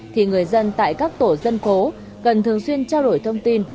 thì người dân tại các tổ dân phố cần thường xuyên trao đổi thông tin